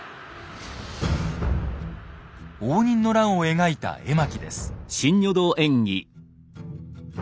応仁の乱を描いた絵巻です。